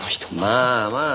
まあまあ。